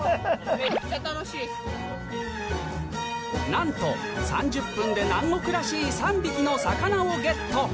なんと３０分で南国らしい３匹の魚をゲット